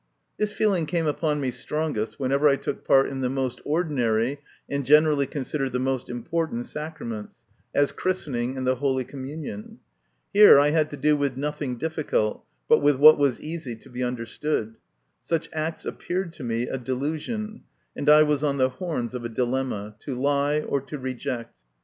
This feeling came upon me strongest when ever I took part in the most ordinary, and generally considered the most important, sacraments, as christening and the holy communion. Here I had to do with nothing difficult, but with what was easy to be understood ; such acts appeared to me a delusion, and I was on the horns of a dilemma to lie, or to reject.